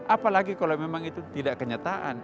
apalagi kalau memang itu tidak kenyataan